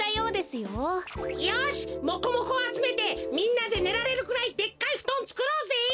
よしモコモコをあつめてみんなでねられるくらいでっかいふとんつくろうぜ！